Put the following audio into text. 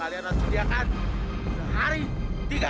kalian harus sediakan sehari tiga kali